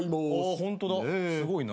ホントだすごいな。